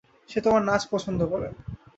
সে তোমার নাচ পছন্দ করে।